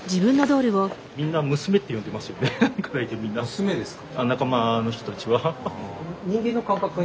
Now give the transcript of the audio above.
「娘」ですか？